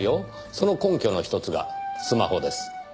その根拠のひとつがスマホです。